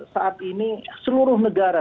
saat ini seluruh negara